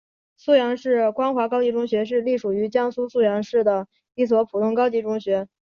溧阳市光华高级中学是隶属于江苏省溧阳市的一所普通高级中学。